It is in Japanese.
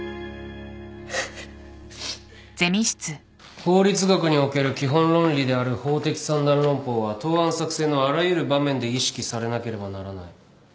法律学における基本論理である法的三段論法は答案作成のあらゆる場面で意識されなければならない。